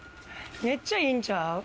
めっちゃいいんちゃう？